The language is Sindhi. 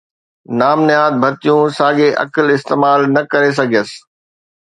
نام نهاد ڀرتيون، ساڳي عقل استعمال نه ڪري سگهيس.